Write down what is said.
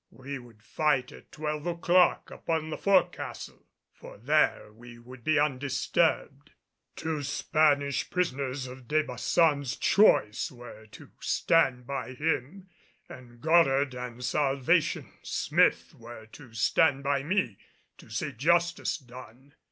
We would fight at twelve o'clock upon the fore castle, for there we would be undisturbed. Two Spanish prisoners of De Baçan's choice were to stand by him, and Goddard and Salvation Smith were to stand by me to see justice done.